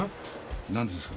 何ですか？